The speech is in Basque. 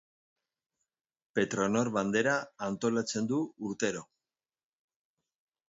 Petronor Bandera antolatzen du urtero.